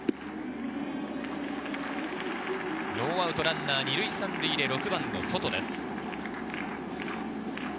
ノーアウトランナー２塁３塁で６番、ソトです。